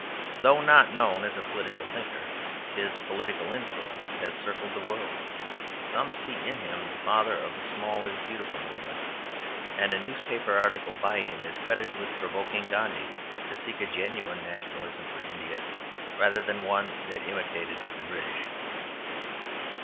Though not known as a political thinker, his political influence has circled the world. Some see in him the father of the "small is beautiful" movement and a newspaper article by him is credited with provoking Gandhi to seek a "genuine" nationalism for India rather than one that imitated the British.